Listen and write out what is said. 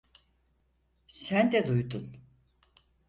Sen de duydun.